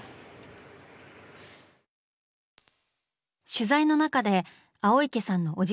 取材の中で青池さんのおじさん